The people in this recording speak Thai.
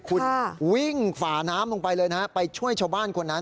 คุณวิ่งฝ่าน้ำลงไปเลยนะฮะไปช่วยชาวบ้านคนนั้น